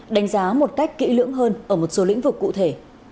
đánh giá một cách kỹ lưỡng hơn ở một số lĩnh vực cụ thể